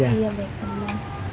iya banyak teman